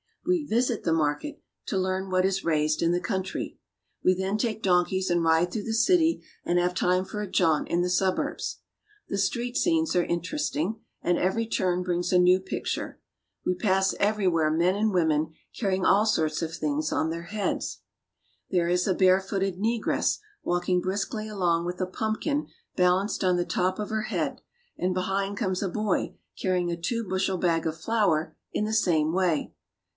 We visit the market to learn what is raised 296 BRAZIL. in the country. We then take donkeys and ride through the city, and have time for a jaunt in the suburbs. The street scenes are interesting, and every turn brings a new picture. We pass everywhere men and women carrying all sorts of things on their heads. There is a Street Scene. barefooted negress walking briskly along with a pumpkin balanced on the top of her head, and behind comes a boy carrying a two bushel bag of flour in the same way.